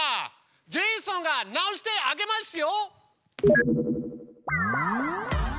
ジェイソンが直してあげますよ！